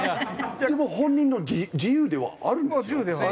でも本人の自由ではあるんです。